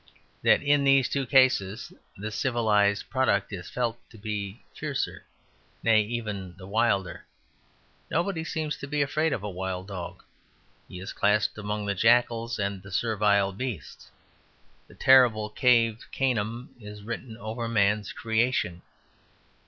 That in these two cases the civilized product is felt to be the fiercer, nay, even the wilder. Nobody seems to be afraid of a wild dog: he is classed among the jackals and the servile beasts. The terrible cave canem is written over man's creation.